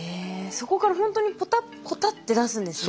そこからほんとにポタポタって出すんですね。